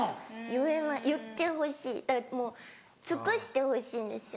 言えない言ってほしいだからもう尽くしてほしいんですよ。